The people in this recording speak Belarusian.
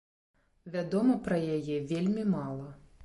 Вядома пра яе вельмі мала.